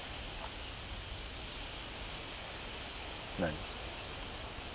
何？